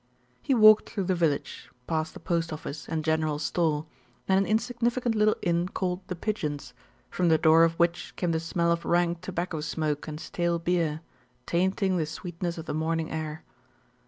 He walked through the village, past the post office, and general store, and an insignificant little inn called The Pigeons, from the door of which came the smell of rank tobacco smoke and stale beer, tainting the sweetness of the morning air.